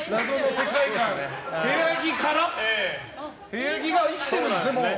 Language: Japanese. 部屋着は生きてるんですね、もう。